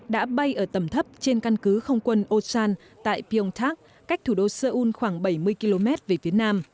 đã bay ở tầm thấp trên căn cứ không quân osan tại pyongtak cách thủ đô seoul khoảng bảy mươi km về việt nam